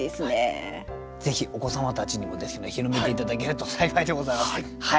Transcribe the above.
ぜひお子様たちにもですね広めて頂けると幸いでございます。